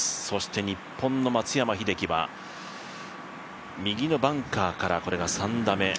そして日本の松山英樹は右のバンカーからこれが３打目。